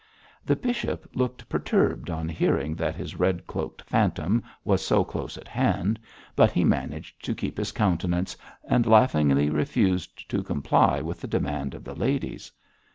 The bishop looked perturbed on hearing that his red cloaked phantom was so close at hand, but he managed to keep his countenance, and laughingly refused to comply with the demand of the ladies.